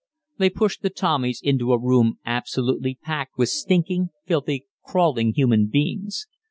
They pushed the Tommies into a room absolutely packed with stinking, filthy, crawling human beings.